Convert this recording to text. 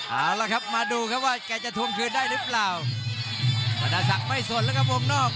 เอาละครับมาดูครับว่าแกจะทวงคืนได้หรือเปล่าบรรดาศักดิ์ไม่สนแล้วครับวงนอก